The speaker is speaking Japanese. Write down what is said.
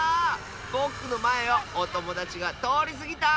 ぼくのまえをおともだちがとおりすぎた！